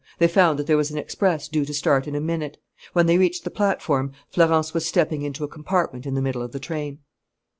They found that there was an express due to start in a minute. When they reached the platform Florence was stepping into a compartment in the middle of the train.